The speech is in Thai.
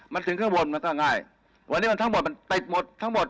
มันถึงข้างบนมันก็ง่ายวันนี้มันทั้งหมดมันติดหมดทั้งหมด